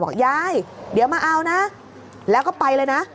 บอกยายเดี๋ยวมาเอานะแล้วก็ไปเลยนะ